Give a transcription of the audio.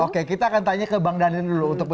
oke kita akan tanya ke bang daniel dulu